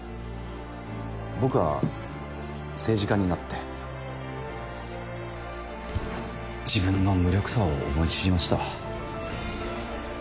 僕は政治家になって自分の無力さを思い知りました。